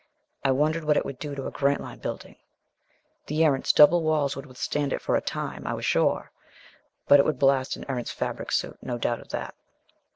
I wondered what it would do to a Grantline building! The Erentz double walls would withstand it for a time, I was sure. But it would blast an Erentz fabric suit, no doubt of that.